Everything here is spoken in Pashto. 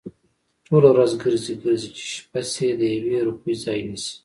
ټوله ورځ گرځي، گرځي؛ چې شپه شي د يوې روپۍ ځای نيسي؟